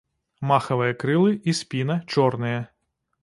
Махавыя крылы і спіна чорныя.